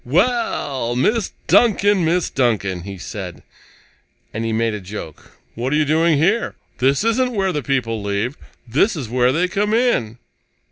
"Well, Miss Duncan! Miss Duncan!" he said, and he made a joke. "What are you doing here?" he said. "This isn't where the people leave. This is where they come in!"